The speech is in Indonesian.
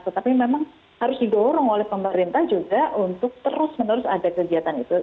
tetapi memang harus didorong oleh pemerintah juga untuk terus menerus ada kegiatan itu